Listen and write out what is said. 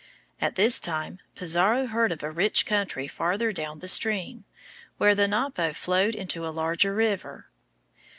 At this time Pizarro heard of a rich country farther down the stream, where the Napo flowed into a larger river.